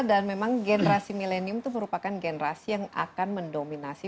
dan memang generasi milenium itu merupakan generasi yang akan mendominasi